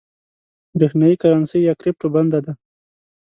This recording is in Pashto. برېښنايي کرنسۍ یا کريپټو بنده ده